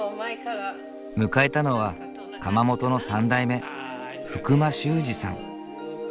迎えたのは窯元の３代目福間士さん。